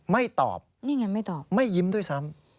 ไม่ตอบไม่ยิ้มด้วยซ้ำ